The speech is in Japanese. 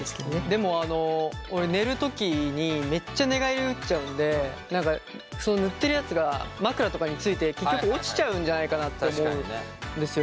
でも俺寝る時にめっちゃ寝返り打っちゃうんで塗ってるやつが枕とかについて結局落ちちゃうんじゃないかなって思うんですよ。